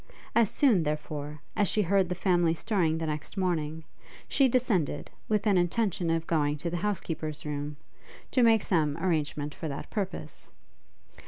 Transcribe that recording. As soon, therefore, as she heard the family stirring the next morning, she descended, with an intention of going to the housekeeper's room, to make some arrangement for that purpose.